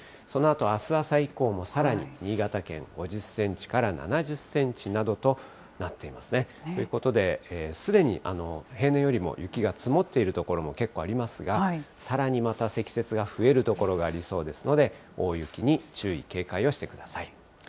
そのあとあす朝以降もさらに新潟県５０センチから７０センチなどとなっていますね。ということで、すでに平年よりも雪が積もっている所も結構ありますが、さらにまた積雪が増える所がありそうですので、大雪に注意、警戒をしてください。